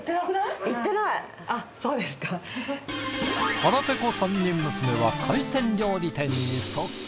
腹ペコ３人娘は海鮮料理店に即決。